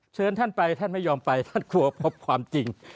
เชิญท่านไปท่านไม่ยอมไปท่านกลัวพบความจริง